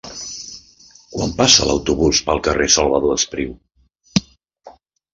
Quan passa l'autobús pel carrer Salvador Espriu?